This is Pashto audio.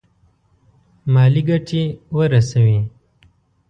مالي ګټي ورسوي.